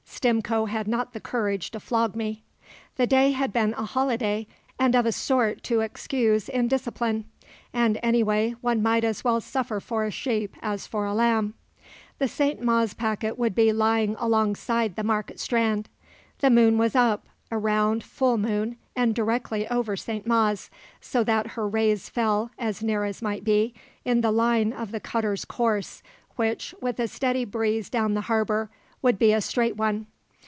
Stimcoe had not the courage to flog me; the day had been a holiday, and of a sort to excuse indiscipline; and, anyway, one might as well suffer for a sheep as for a lamb. The St. Mawes packet would be lying alongside the Market Strand. The moon was up a round, full moon and directly over St. Mawes, so that her rays fell, as near as might be, in the line of the cutter's course, which, with a steady breeze down the harbour, would be a straight one.